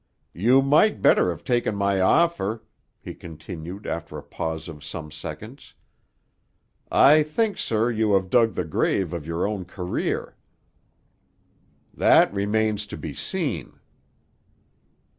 "You might better have taken my offer," he continued after a pause of some seconds. "I think, sir, you have dug the grave of your own career." "That remains to be seen."